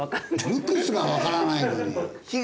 ルクスがわからないのに。